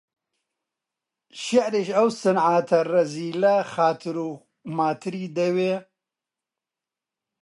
شیعریش، ئەو سنعاتە ڕەزیلە خاتر و ماتری دەوێ؟